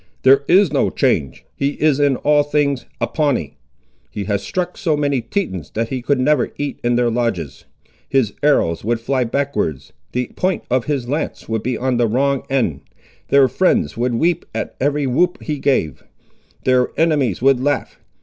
There is no change. He is in all things a Pawnee. He has struck so many Tetons that he could never eat in their lodges. His arrows would fly backwards; the point of his lance would be on the wrong end; their friends would weep at every whoop he gave; their enemies would laugh.